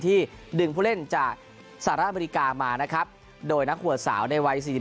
ที่ดึงผู้เล่นจากสหรัฐอเมริกามานะครับโดยนักหัวสาวในวัย๔๒